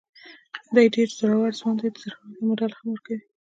دی ډېر زړور ځوان دی، د زړورتیا مېډال هم ورکوي.